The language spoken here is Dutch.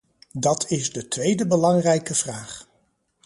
Dat is de tweede belangrijke vraag.